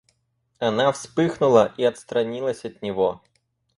Она вспыхнула и отстранилась от него.